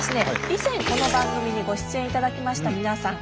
以前この番組にご出演いただきました皆さん